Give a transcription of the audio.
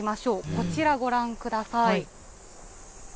こちら、ご覧ください。